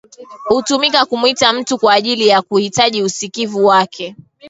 Hutumika kumwita mtu kwa ajili ya kuhitaji usikivu wake